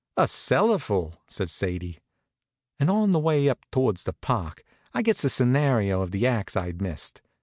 "A cellarful," says Sadie. And on the way up towards the park I gets the scenario of the acts I'd missed.